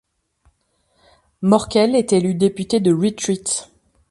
Morkel est élu député de Retreat.